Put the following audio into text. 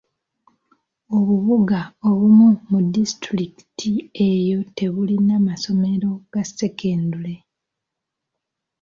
Obubuga obumu mu disitulikiti eyo tebulina masomero ga sekendule.